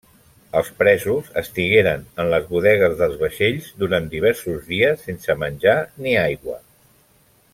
Els presos estigueren en les bodegues dels vaixells durant diversos dies sense menjar ni aigua.